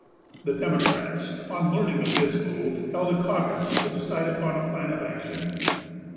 The Democrats, on learning of this move, held a caucus to decide upon a plan of action.